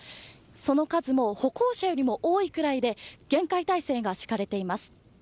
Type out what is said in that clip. その数も歩行者より多いくらいで厳戒態勢が敷かれています。